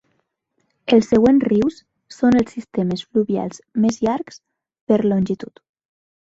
Els següents rius són els sistemes fluvials més llargs, per longitud.